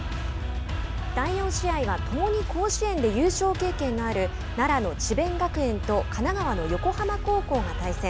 第４試合はともに甲子園で優勝経験のある奈良の智弁学園と神奈川の横浜高校が対戦。